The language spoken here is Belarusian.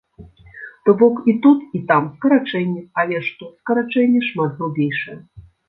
То бок і тут і там скарачэнне, але ж тут скарачэнне шмат грубейшае.